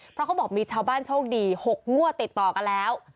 เพราะเขาบอกมีชาวบ้านโชคดี๖งวดติดต่อกันแล้ว